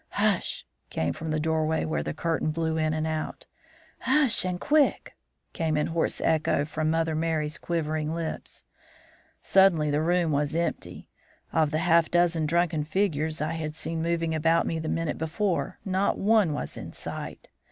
"'Hush!' came from the doorway where the curtain blew in and out. "'Hush and quick,' came in hoarse echo from Mother Merry's quivering lips. "Suddenly the room was empty. Of the half dozen drunken figures I had seen moving about me the minute before, not one was in sight.